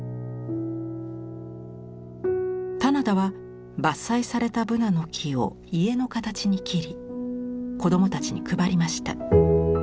棚田は伐採されたブナの木を家の形に切り子どもたちに配りました。